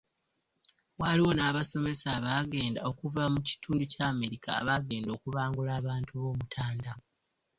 Waliwo n’abasomesa abagenda okuva mu kitundu kya Amerika abagenda okubangula abantu b’Omutanda.